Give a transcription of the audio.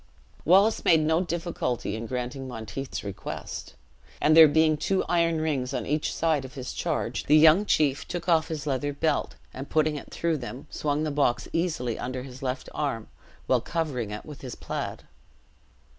Wallace made no difficulty in granting Monteith's request; and, there being two iron rings on each side of his charge, the young chief took off his leathern belt, and putting it through them, swung the box easily under his left arm, while covering it with his plaid.